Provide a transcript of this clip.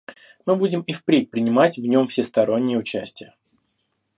Мы будем и впредь принимать в нем всестороннее участие.